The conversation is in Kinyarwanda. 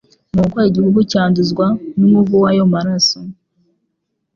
nuko igihugu cyanduzwa n’umuvu w’ayo maraso